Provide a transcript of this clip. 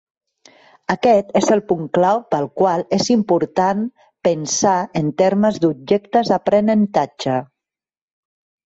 Aquest és el punt clau pel qual és important pensar en termes d'objectes d'aprenentatge.